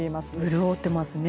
潤ってますね。